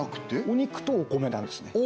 お肉とお米なんですね